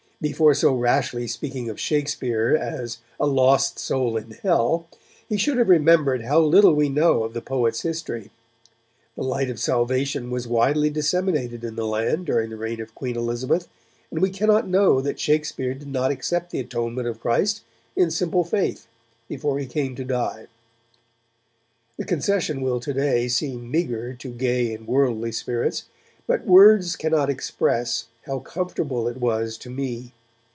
Before so rashly speaking of Shakespeare as "a lost soul in hell", he should have remembered how little we know of the poet's history. The light of salvation was widely disseminated in the land during the reign of Queen Elizabeth, and we cannot know that Shakespeare did not accept the atonement of Christ in simple faith before he came to die.' The concession will today seem meagre to gay and worldly spirits, but words cannot express how comfortable it was to me.